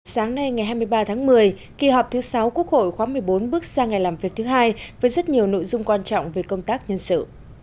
sáng nay ngày hai mươi ba tháng một mươi kỳ họp thứ sáu quốc hội khóa một mươi bốn bước sang ngày làm việc thứ hai với rất nhiều nội dung quan trọng về công tác nhân sự